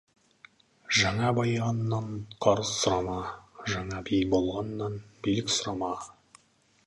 Жаңа байығаннан қарыз сұрама, жаңа би болғаннан билік сұрама.